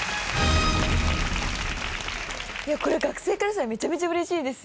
いやこれ学生からしたらめちゃめちゃ嬉しいですよ。